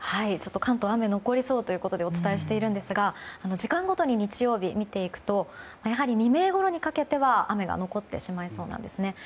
関東は雨が残りそうということでお伝えしていますが時間ごとに日曜日、見ていくとやはり、未明ごろにかけては雨が残ってしまいそうなんですね。